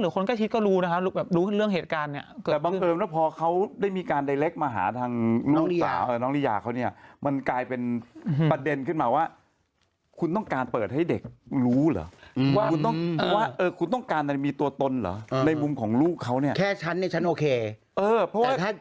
หนังโทรมาจริงจริง